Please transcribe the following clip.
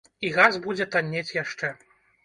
І газ будзе таннець яшчэ.